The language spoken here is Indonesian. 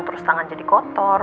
terus tangan jadi kotor